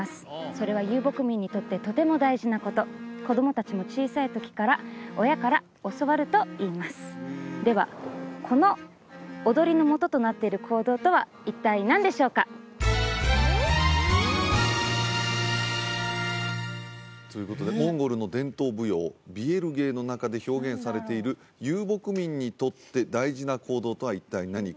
それは遊牧民にとってとても大事なこと子供達も小さい時から親から教わるといいますではこの踊りの元となってる行動とは一体何でしょうか？ということでモンゴルの伝統舞踊ビエルゲーの中で表現されている遊牧民にとって大事な行動とは一体何か？